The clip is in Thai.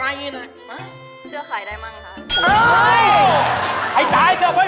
อ้าวให้ตายเธอไว้